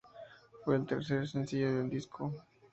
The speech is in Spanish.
Fue el tercer sencillo del disco.